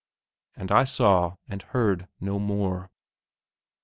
And I saw and heard no more....